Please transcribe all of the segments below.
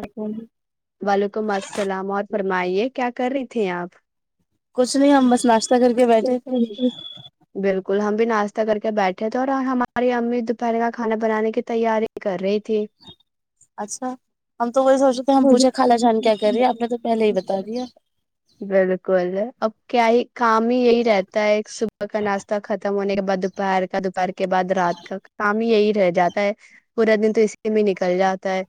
ا کو وعلیکم السلام اور فرمائیے کیا کر رہی تھے آپ کچھ نہیں ہم بس ناشتہ کر کے بیٹھے تھے بالکل ہم بھی ناشہ کر کے بیٹھے تھے اور ہماری امی دوپہر کا کھانا بنانے کی تیاری کر رہی تھی اچھا ہم تو وہی سوچ تو ہم پوچھے خال جان کیا کر رہی ہے آپ نے تو پہلے ہی بتا دیا شام ہی یہی رہتا ہے ایک صبح کا ناشتہ ختم ہونے کے بعد بد پارک اد پار کے بعد رات کا شام یہی رہ جاتا ہے پورا دن تو اسی میں نکل جاتا ہے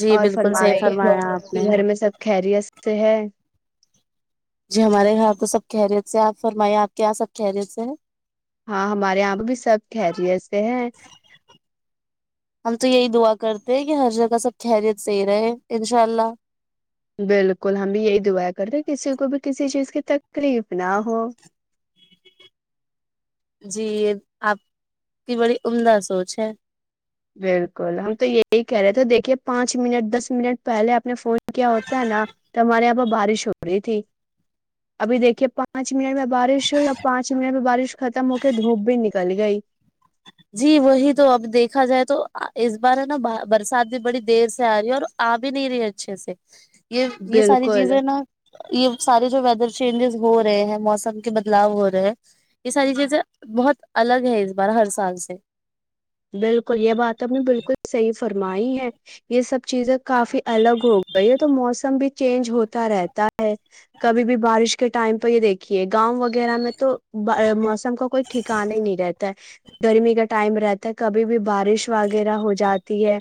جی اور بالکل فرما صحیح فرمایا آپ نے گھر میں سب خیریت سے ہے جی ہمارے یہاں تو سب خریت سے آپ فرمائی آپ کے یہاں سب خریت سے ہیں ہاں ہمارے یہاں پہ بھی سب خیلیےس سے ہیں دیک گے ہر جگہ سب خریت صحیح رہے انشاء اللہ بالکل ہم بھی یہی دعا کر رہے کسی کو بھی کسی چیز کی تکلیف نہ ہو جی یہ آپ کی بڑی عمدہ سوچ ہے بالکل ہم تو یہی کہہ رہے تھے دیکھیے پانچ منٹ دس منٹ پہلے آپ نے فون کیا ہوتا ہے نا تو ہمارے یہاں پہ بارش ہو رہی تھی ابھی دیکھیے پانچ منے میں بارش ہو یا پانچ مہینے میں بارش ختم ہو کے دھوپ بھی نکل کل گئی جی وہی تو اب دیکھا جائے تو اس بار ہے نا برسات بھی بڑی دیر سے آ رہی ہے اور آ بھی نہیں رہی اچھے سے یہ یہ ساری بالکل چیزیں نا یہ سارے جو ویدر چینجز ہو رہے ہیں موسم کے بدلاؤ ہو رہے ہیں یہ ساری چیزیں بہت الگ ہے اس بار ہر سال سےے بالکل یہ بات آپ نے بالکل صحیح فرمائی ہے یہ سب چیزیں کافی الگ ہو گئی ہے تو موسم بھی چینج ہوتا رہتا ہے کبھی بھی بارش کے ٹائم پہ یہ دیکھیے گا گاؤں وغیرہ میں تو موسم کا کوئی ٹھکانا ہی نہیں رہتا ہے گرمی کا ٹائم رہتا کبھی بھی بارش وغیرہ ہو جاتی ہے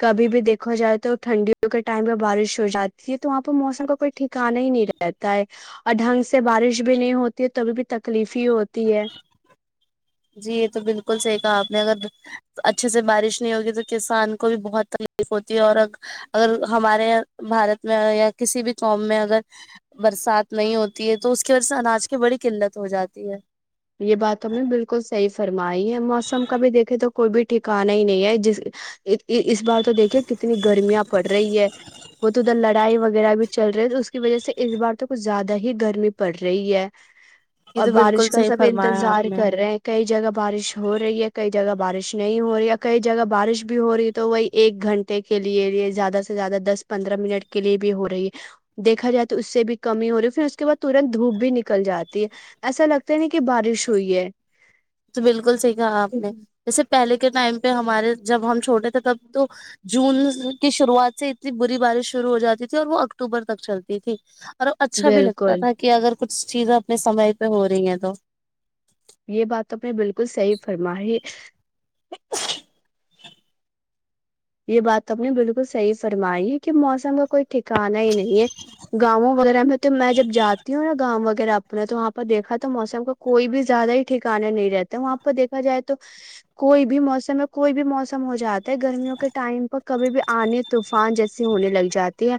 کبھی بھی دیکھا جائے تو ٹھنڈیوں کے ٹائم پہ بارش ہو جاتی ہے تو وہاں پہ موسم کا کوئی ٹھکانا ہی نہیں رہتا ہے اور ڈھنگ سے بارش بھی نہیں ہوتی ہے توبھی بھی تکلیف ہی ہوتی ہے جی یہ تو بالکل صحیح کہا آپ نے اگر اچھے سے بارش نہیں ہوگی تو کسان کو بھی بہت تکلیف ہوتی ہے اور اگر ہمارے بھارت میں یا کسی بھی قوم میں اگر برسات نہیں ہوتی ہے تو اس کی وجہ سے اناج کی بڑی قلت ہو جاتی ہے یہ بات ہم نے بالکل صحی فرمائی ہے موسم کا بھی دیکے تو کوئی بھی ٹھکانا ہی نہیں ہے ج اس بار تو دیکھیے کتنی گرمیاں پڑ رہی ہے وہ تو ادھر لڑائی وغیرہ بھی چل رہی ہے اس کی وجہ سے اس بار تو کچھ زیادہ ہی گرمی پڑ رہی ہے ا اور تو بالکل بارش کا صحیح سب فرمایا انتظار آپ نے کر رہے ہیں کئی جگہ بارش ہو رہی ہے کئی جگہ بارش نہیں ہو رہی ہے کئی جگہ بارش بھی ہو رہی ہے تو وہی ایک گھنٹے کے لیے زیادہ سے زیادہ دس پندرہ منٹ کے لیے بھی ہو رہی ہے دیکھا جائے تو اس سے بھی کمی ہو رہی پھر اس کے بعد ترت دھوپ بھی نکل جاتی ہے ایسا لگتا تی کہ بارش ہوئی ہے تو بالکل صحیح کہا آپ نے جیسے پہلے کے ٹائم پہ ہمارے جب ہم چھوٹے تھے تب تو جون کی شروعات سے اتنی بری بارش شروع ہو جاتی تھی اور وہ اکتوبر تک چلتی تھی اور اچھا بھی لگتا بالکل تھا کہ اگر کچھ چیزیں اپنے سمئے پہ ہو رہی ہیں تو یہ بات تو میں بالکل صحیح فرم [inaudible] یہ بات نے بالکل صحیح فرمائی ہے کہ موسم کا کوئی ٹھیکا نہیں نہیں ہے گاؤں وغیرہ میں تو میں جب جاتی ہوں نا گاؤں وغیرہ اپنا تو وہاں پرہ دیکھا تو موسم کا کوئی بھی زیادہ ہی ٹھکانا نہیں رہتا وہاں پرہ دیکھا جائے تو کوئی بھی موسم میں کوئی بھی موسم ہو جاتا ہے گرمیوں کے ٹائم پر کبھی بھی آنے طوفان جیسی ہونے لگ جاتی ہے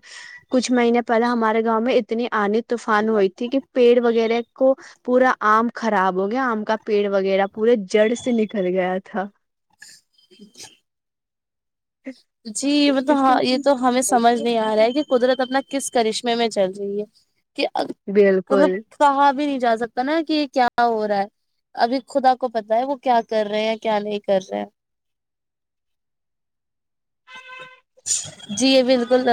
کچھ مہینے پہل ہمارے گاؤں میں اتنی آنے طوفان ہوئی تھی کہ پیڑ وغیرہ کو پورا آم خراب ہو گیا آم کا پیڑ وغیرہ پورے جڑ سے نکل گیا تھا جی مطلب اس ہ کے یہ تو ہمیں سمجھ نہیں آ رہا ہے کہ قدرت اپنا کس کرشمے میں چل جی ہے [inaudible] کہ مطلب بالکل کہا بھی نہیں جا سکتا نا کہ کیا ہو رہا ہے ابھی خدا کو پتا ہے وہ کیا کر رہے ہیں کیا نہیں کر رہے ہیں جی یہ بالکل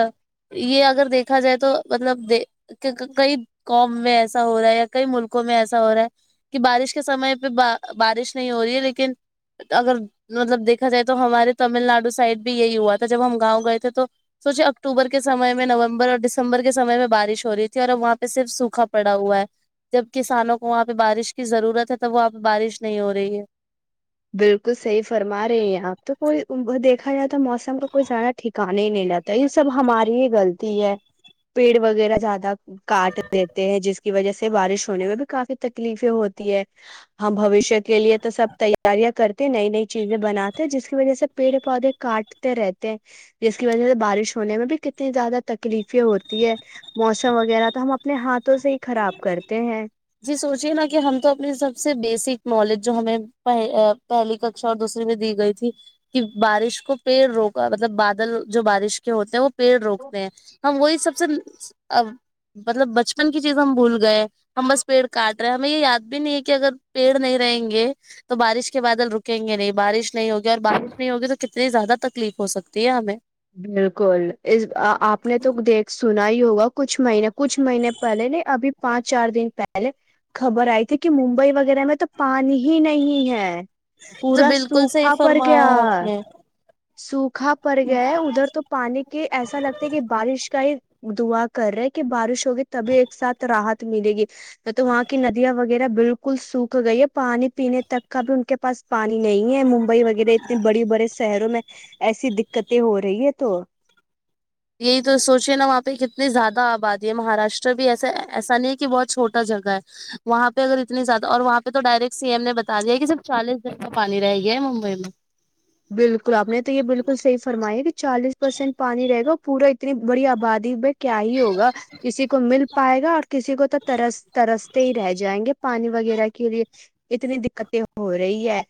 یہ اگر دیکھا جائے تو مطلب کئی قوم میں ایسا ہو رہا ہے یا کئی ملکوں میں ایسا ہو رہا ہے کہ بارش کے سمے پہ بارش نہیں ہو رہی ہے لیکن اگر مطلب دیکھا جائے تو ہمارے تمل ناڈو سے سائڈ بھی یہی ہوا تھا جب ہم گاؤں گئے تھے تو سوچے اکتوبر کے سمے میں نومبر اور دسمبر کے سمے میں بارش ہو رہی تھی اور اب وہاں پہ صرف سوکھا پڑا ہوا ہے جب کسانوں کو وہاں پہ بارش کی ضرورت ہے تب وہاں پہ بارش نہیں ہو رہی ہے بالکل صحیح فرما رہے ہیں آپ تو کوئی دیکھا جاتا تو موسم کا کوئییاارا ٹھیکا نہیں نہیں جاتا یہ سب ہماری یہ غلط ہے پیڑ وغیرہ زیادہ کاٹ دیتے ہیں جس کی وجہ سے بارش ہونے میں بھی کافی تکلیفیں ہوتی ہے ہم بوشیہ کے لیے تو سب تی تیاریاں کرتی ہیں نئی نئی چیزیں بناتے ہیں جس کی وجہ سے پیڑ پودے کاٹتے رہتے ہیں جس کی وجہ سے بارش ہونے میں بھی کتنی زیادہ تکلیفیں ہوتی ہے موسم وغیرہ تو ہم اپنے ہاتھوں سے ہی خراب کرتے ہیں جی سوچیے نا کہ ہم تو اپنی سب سے بیسک نالج جو ہمیں پہلی ککا اور دوسری میں دی گئی تھی کہ بارش کو پڑ روک مطلب بادل جو بارش کے ہوتے ہیں وہ پیڑ روکتے ہیں ہم وہی سب ا مطلب بچپن کی چیز ہم بھول گئے ہم بس پیڑ کاٹ رہے ہیں ہمیں یہ یاد بھی نہیں ہے کہ اگر پیڑ نہیں رہیں گے تو بارش کے بادل رکیں گے نہیں بارش نہیں ہوگی اور بارش نہیں ہوگی تو کتنی زیادہ تکلیف ہو سکتی ہے ہمیں بالکل اس آپ نے تو دیکھ سن ہی ہوگا کچھ مہینے کچھ مہینے پہلے نہیں ابھی پانچ چار دن پہلے خبر آئی تھی کہ ممبئی وغیرہ میں تو پانی ہی ہی نہیں ہے تو پورا بالکل صحیح سوکھا پڑ فرمایا گیا آپ ہے نے سوکھا پ یہ ادھر تو پانی کے ایسا لگتا ہے کہ بارش کا ہی دعا کر رہے کہ بارش ہوگی تبھی ایک ساتھ رات ملے گی تو تو وہاں کی ندیاں وغیرہ بالکل سوکھ گئی ہے پانی پینے تک کا بھی ان کے پاس پانی نہیں ہے ممبئی وغیرہ اتنے بڑے بڑے شہروں میں ایسی د [inaudible] دقتیں ہو رہی ہے تو یہی تو سوچے نا وہاں پہ کتنی زیادہ آبادی ہے مہاراشٹر بھی ایسا ایسا نہیں ہے کہ بہت چھوٹا جگہ ہے وہاں پہ اگر اتنی زیادہ اور وہاں پہ تو ڈائریکٹ سی ایم نے بتا دیا ہے کہ صرف چالیس جن کا پانی رہ گیا ہے ممبئی میں بالکل آپ نے تو یہ بالکل صحیح فرمائی ہے کہ چالیس پرسینٹ پانی رہے گا پورا [inaudible] اتنی بڑی آبادی میں کیا ہی ہوگا کسی کو مل پائے گا اور کسی کو تو ترس ترستے ہی رہ جائیں گے پانی وغیرہ کے لیے اتنی دقتیں ہو رہی ہے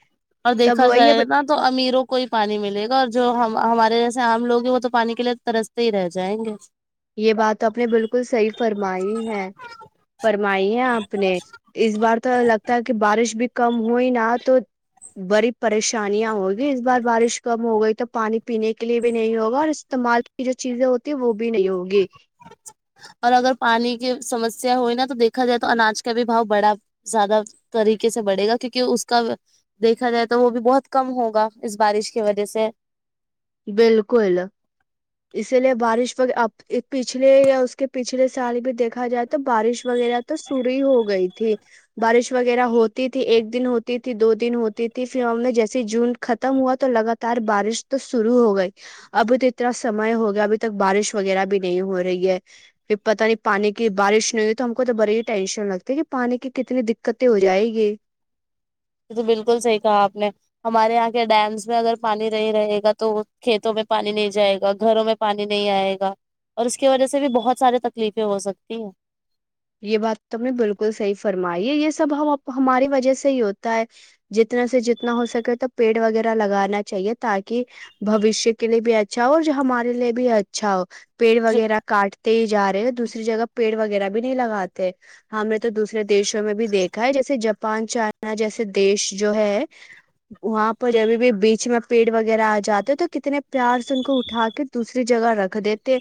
اور تب دیکھا وہی جائے نا تو ہے امیروں کو کوئی پانی ملے گا اور جو ہم ہمارے جیسے عام لوگ ہیں وہ تو پانی کے لیے ترستے ہی رہ جائیں گے یہ بات تو آپ نے بالکل صحیح فرمائی ہے فرمائی ہے آپ نے اس بار تو لگتا ہے کہ بارش بھی کم ہوئی نا تو بریف پریشانیاں ہوگی اس بار بارش کم ہو گئی تو پانی پینے کے لیے بھی نہیں ہوگا اور استعمال کی جو چیزیں ہوتی ہیں وہ بھی نہیں ہوگی ی اور اگر پانی کی سمسیا ہوئی نا تو دیکھا جائے تو اناج کا بھی بھاؤ بڑا زیادہ طریقے سے بڑھے گا کیونکہ اس کا دیکھا جائے تو وہ بھی بہت کم ہوگا اس بارش کی وجہ سے بالکل اسی لیے بارش وقت آپ پچھلے یا اس کے پچھلے سال بھی دیکھا جائے تو بارش وغیرہ تو سری ہو گئی تھی بارش وغیرہ ہوتی تھی ایک دن ہوتی تھی دو دن ہوتی تھی پھر ہم نے جیسے جون ختم ہوا تو لگاتار بارش تو شرو ہو گئی ابھی تو اتنا سم ہو گیا ابھی تک بارش وغیرہ بھی نہیں ہو رہی ہے پھر پتا نہیں پانی کی بارش نہیں ہوئی تو ہم کو تو بڑے ہی ٹینشن لگتی کہ پانی کی کتنی دقتیں ہو جائےیں گی یہ تو بالکل صحیح کہا آپ نے ہمارے یہاں کے ڈیمس میں اگر پانی نہیں رہے گا تو کھیتوں میں پانی نہیں جائے گا گھروں میں پانی نہیں آئے گا اور اس کی وجہ سے بھی بہت سارے تکلیفیں ہو سکتی ہیں یہ بات تم نے بالکل صحیح فرمائی ہے یہ سب ہم ہماری وجہ سے ہی ہوتا ہے جتنا سے جتنا ہو سکے تو پیڑ وغیرہ لگانا چاہیے تاکہ بوشیہ کے لیے بھی اچھا ہو اور ہمارے لیے بھی اچھا ہو پیڑ وغیرہ کاٹتے ہی ج رہے ہیں دوسری جگہ پیڑ و نہیں لگاتے ہم نے تو دوسرے د دیشوں میں بھی دیکھا ہے جیسے جب پانچ چارنا جیسے دیش جو ہے وہاں پر جبھی بھی بیچ میں پیڑ وغیرہ آ جاتے تو کتنے پیار سے ان کو اٹھا کے دوسری جگہ رکھ دیتے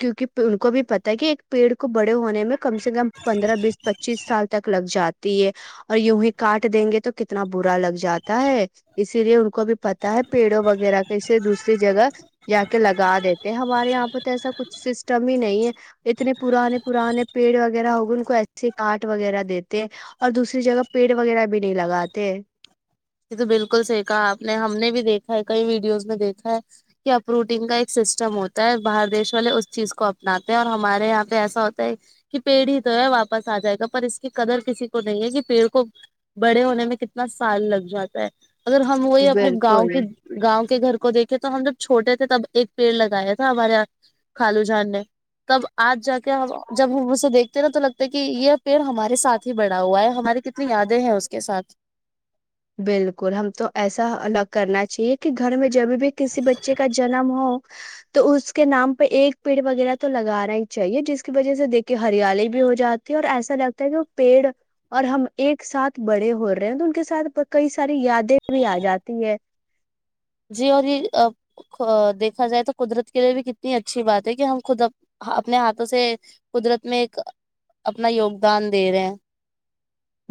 کیونکہ ان کو بھی پتا ہے کہ ایک پیڑ کو بڑے ہونے میں کم سے کم پندرہ بیس پچیس سال تک لگ جاتا ہے اور یون ہی کاٹ دیں گے تو کتنا برا لگ جاتا ہے اسی لیے ان کو بھی پتا ہے پیڑوں وغیرہ کیے دوسری جگہ جا کے لگا دیتے ہیں ہمارے یہاں پہ تو ایسا کچھ سسٹم ہی نہیں ہے اتنے پرانے پرانے پیڑ وغیرہ ہوگئے ان کو ایسے کاٹ وغیرہ دیتے اور دوسری جگہ پیڑ وغیرہ بھی نہیں لگاتے یہ تو بالکل صحی کہا آپ نے ہم نے بھی دیکھا ہے کئی ویڈیوز میں دیکھا ہے کہ اپ روٹنگ کا ایک سسٹم ہوتا ہے باہر دیش والے اس چیز کو اپناتے ہیں اور ہمارے یہاں پہ ایسا ہوتا ہے کہ پیڑ ہی تو ہے واپس آ جائے گا پر اس کی قدر کسی کو نہیں ہے کہ پیڑ کو بڑے ہونے میں کتنا سال لگ جاتا ہے اگر ہم وہی اپنے گاؤں بالکل کے گاؤں کے گھر کو دیکھے تو ہم لو چھوٹے تھے تب ایک پیڑ لگایا تھا ہمارے یہ خالو جان نے تب آج جا کے ہم جب ہم اسے دیکھتے ہیں نا تو لگتا ہے کہ یہ پیڑ ہمارے ساتھ ہی بڑا ہوا ہے ہماری کتنی یادیں ہیں اس کے سات بالکل ہم تو ایسا کرنا چاہیے کہ گھر میں جب بھی کسی بچے کا جنم ہو تو اس کے نام پہ ایک پیڑ وغیرہ تو لگانا ہی چاہیے جس کی وجہ سے دیکھیے ہریالی بھی ہو جاتی ہے اور ایسا لگتا ہے کہ وہ پیڑ اور ہم ایک ساتھ بڑے ہو رہے ہیں تو ان کے ساتھ کئی ساری یادیں بھی آ جاتی ہے جی اور یہ دیکھا جائے تو قدرت کے لیے بھی کتنی اچھی بات ہے کہ ہم خود اپنے ہاتھوں سے قدرت میں ایک اپنا یوگدان دے رہے ہیں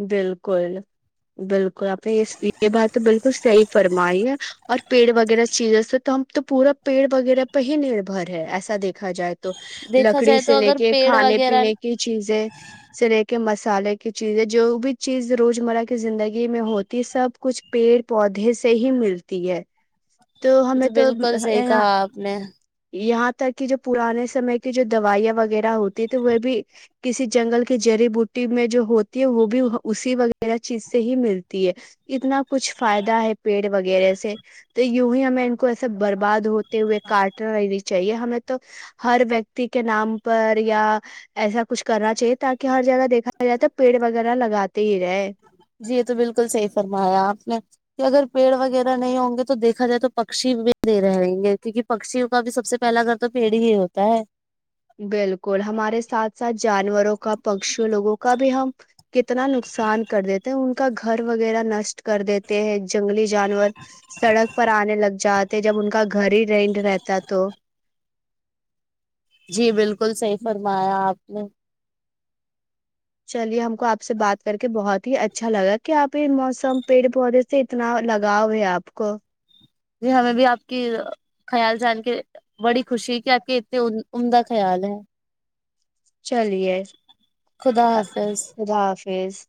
بالکل بالکل یہ بات تو بالکل صحی فرمائی ہے اور پیڑ وغیرہ چیزوں سے تو ہم تو پورا پیڑ وغیرہ پہ ہی نربھر ہے ایسا دیکھ دیکھا جائے تو دیکھا لکڑی جائے تو سے لے اگر کے پیڑ کھانے وغیرہ پینے کی چیزیں سے لے کے مس مسالے کی چیزیں جو بھی چیز روزمرہ کی زندگی میں ہوتی ہے سب کچھ پیڑ پودے سے ہی ملتی ہے تو یہ ہمیں تو بالکل صحیح یہ کہا آپ نے یہاں ر کی جو پرانے سمے کی جو دوائیاں وغیرہ ہوتی تھی وہ بھی کسی جنگل کی جڑی بوٹی میں جو ہو وہ بھی اسی وغیرہ چیز سے ہی ملتی ہے اتنا کچھ فائدہ ہے پیڑ وغیرہ سے تو یی ہمیں کو ایسے برباد ہوتے ہوئے کاٹا رہ چاہیے ہمیں تو ہر و کے نام پر یا ایسا کچھ کرنا چاہیے تاکہ ہر جگہ دیکھا جائے تو پیڑ وغیرہ لگاتے ہی رہے جی یہ تو بالکل صحی فرمایا آپ نے کہ اگر پیڑ وغیرہ نہیں ہوں گے تو دیکھا جائے تو پکشی بھی دے رہ رہیں گے کیونکہ پکشیوں کا بھی سب سے پہلا اگر تو پیڑ ہی ہوتا ہے بالکل ہمارے ساتھ ساتھ جانوروں کا پکشی لوگوں کا بھی ہم کتنا نقصان کر دیتے ہیں ان کا گھر وغیرہ نشٹ کر دیتے ہیں جنگلی جانور سڑک پر آنے لگ جاتے جب ان کا گھر ہی رینڈ رہتا تو جی بالکل صحیح فرمایا آپ [unintelligible] چلیے ہم آپ سے بات کر کے بہت اچھا لگا کہ آپ یہ موسم پیڑ پودے سے اتنا لگاؤ ہے آپ کو جی ہمیں بھی آپ کی خیال جان کے بڑی خوشی ہے کہ آپ کی ان کا خیال ہے چلیے خدا حافظ خیض